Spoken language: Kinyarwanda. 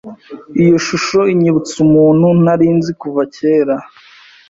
Iyo shusho inyibutsa umuntu nari nzi kuva kera.